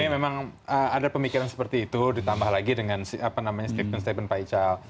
memang ada pemikiran seperti itu ditambah lagi dengan statement statement pak ical